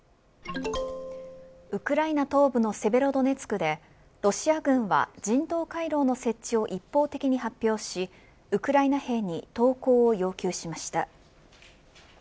ウクライナ東部のセベロドネツクでロシア軍は人道回廊の設置を一方的に発表しウクライナ兵に投降を要求しました。